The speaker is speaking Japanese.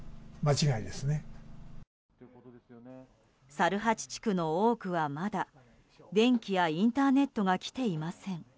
猿八地区の多くは、まだ電気やインターネットが来ていません。